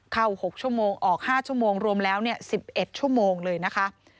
เข้า๖ชั่วโมงออก๕ชั่วโมงรวมแล้ว๑๑ชั่วโมงเลยนะคะ